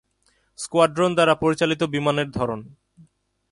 squadron দ্বারা পরিচালিত বিমানের ধরন